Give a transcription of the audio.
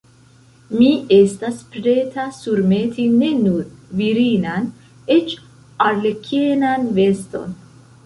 Mi estas preta surmeti ne nur virinan, eĉ arlekenan veston!